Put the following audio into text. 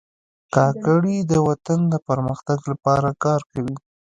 کاکړي د وطن د پرمختګ لپاره کار کوي.